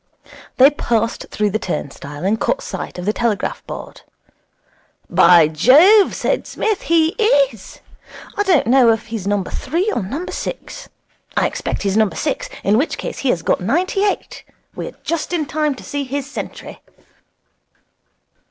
They passed through the turnstile, and caught sight of the telegraph board. 'By Jove!' said Psmith, 'he is. I don't know if he's number three or number six. I expect he's number six. In which case he has got ninety eight. We're just in time to see his century.'